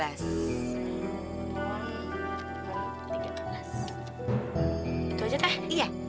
ya udah deh